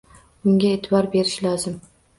Bunga e’tibor berish lozim.